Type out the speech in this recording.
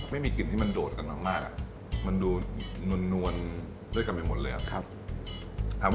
ไม่มีกลิ่นที่มันโดดกันมากมันดูนวลด้วยกันไปหมดเลยอะ